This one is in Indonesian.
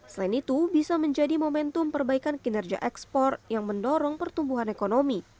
selain itu bisa menjadi momentum perbaikan kinerja ekspor yang mendorong pertumbuhan ekonomi